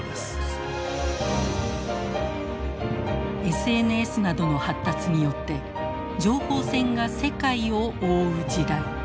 ＳＮＳなどの発達によって情報戦が世界を覆う時代。